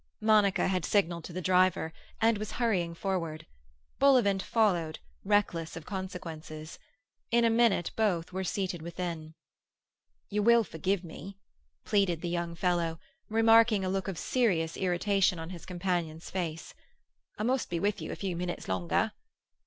Monica had signalled to the driver, and was hurrying forward. Bullivant followed, reckless of consequences. In a minute both were seated within. "You will forgive me?" pleaded the young fellow, remarking a look of serious irritation on his companion's face. "I must be with you a few minutes longer."